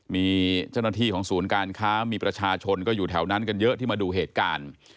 มีเจ้าหน้าที่ของศูนย์การค้ามีประชาชนก็อยู่แถวนั้นกันเยอะที่มาดูเหตุการณ์